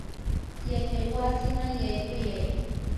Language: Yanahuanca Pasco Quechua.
yachaywasiman yaykuyay.